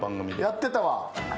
やってたわ。